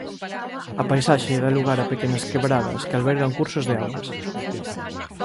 A paisaxe da lugar a pequenas quebradas que albergan cursos de augas.